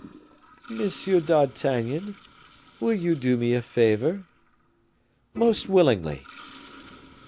"Monsieur d'Artagnan, will you do me a favor?" "Most willingly."